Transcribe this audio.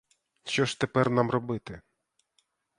Що ж тепер нам робити?